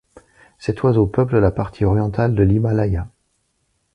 Cet oiseau peuple la partie orientale de l'Himalaya.